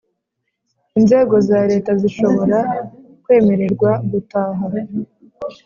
inzego za leta zishobora kwemererwa gutaha